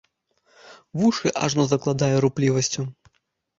Вушы ажно закладае руплівасцю.